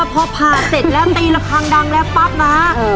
พอผ่าเสร็จแล้วตีระคังดังแล้วปั๊บนะ